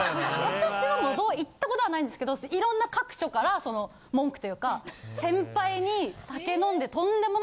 私は行ったことはないんですけどいろんな各所から文句というか。とか。